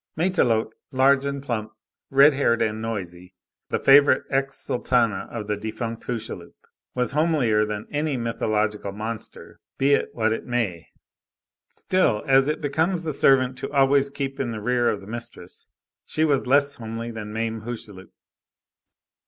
Matelote, large, plump, redhaired, and noisy, the favorite ex sultana of the defunct Hucheloup, was homelier than any mythological monster, be it what it may; still, as it becomes the servant to always keep in the rear of the mistress, she was less homely than Mame Hucheloup.